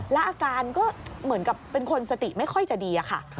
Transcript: แล้วอาการก็เหมือนกับเป็นคนสติไม่ค่อยจะดีค่ะ